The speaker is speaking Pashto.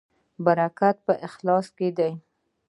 برکت په اخلاص کې دی